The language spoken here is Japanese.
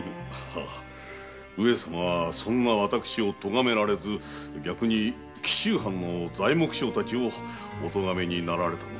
上様はそんな私を咎められずに逆に紀州藩の材木商たちをお咎めになられたのでございます。